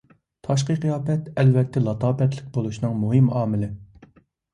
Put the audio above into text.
تاشقى قىياپەت ئەلۋەتتە لاتاپەتلىك بولۇشنىڭ مۇھىم ئامىلى.